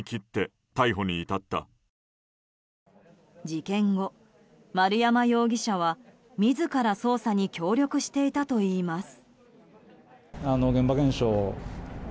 事件後、丸山容疑者は自ら捜査に協力していたといいます。